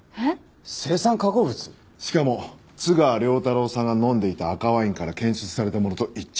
しかも津川亮太郎さんが飲んでいた赤ワインから検出されたものと一致。